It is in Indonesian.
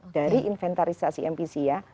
dari inventarisasi mpc ya